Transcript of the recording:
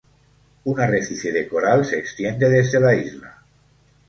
Un arrecife de coral se extiende desde la isla.